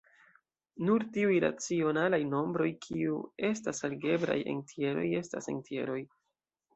Nur tiuj racionalaj nombroj kiu estas algebraj entjeroj estas entjeroj.